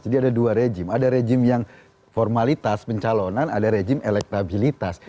jadi ada dua rejim ada rejim yang formalitas pencalonan ada rejim elektabilitas